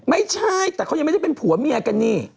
ไม่ใช่แต่เขายังไม่ได้เป็นผัวเมียกันนี่